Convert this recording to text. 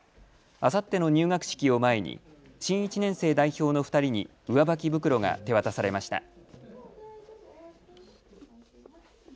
あさっての入学式を前に新１年生代表の２人に上履き袋が手渡されました。